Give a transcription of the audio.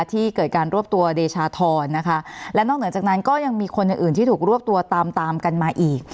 ที่เกิดการรวบตัวเดชาธรนะคะและนอกเหนือจากนั้นก็ยังมีคนอื่นอื่นที่ถูกรวบตัวตามตามกันมาอีก